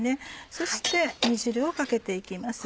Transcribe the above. そして煮汁をかけて行きます。